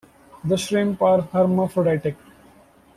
The shrimp are hermaphroditic.